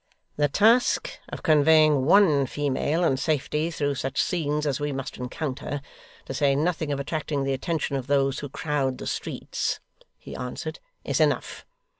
'The task of conveying one female in safety through such scenes as we must encounter, to say nothing of attracting the attention of those who crowd the streets,' he answered, 'is enough.